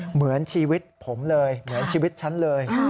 เหมือนชีวิตผมเลยเหมือนชีวิตฉันเลย